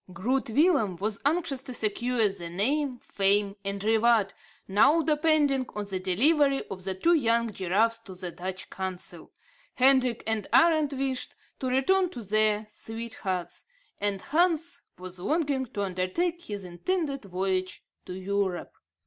Groot Willem was anxious to secure the name, fame, and reward, now depending on the delivery of the two young giraffes to the Dutch Consul. Hendrik and Arend wished to return to their sweethearts; and Hans was longing to under take his intended voyage to Europe.